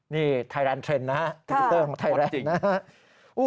นี้ไทยแลนด์เทนนะครับมันจติ้งนะฮะ